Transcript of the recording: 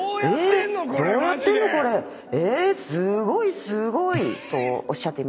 「えっ⁉すごいすごい」とおっしゃっていましたね。